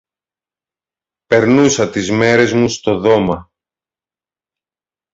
Περνούσα τις μέρες μου στο δώμα